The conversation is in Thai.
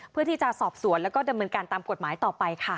เพื่อที่จะสอบสวนแล้วก็ดำเนินการตามกฎหมายต่อไปค่ะ